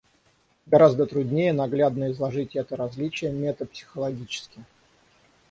Гораздо труднее наглядно изложить это различие метапсихологически.